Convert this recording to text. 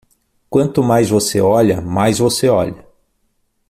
Quanto mais você olha, mais você olha